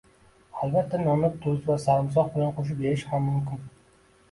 Albatta, nonni tuz va sarimsoq bilan qo‘shib yeyish ham mumkin.